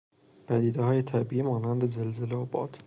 پدیدههای طبیعی مانند زلزله و باد